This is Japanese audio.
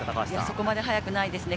そこまで速くないですね。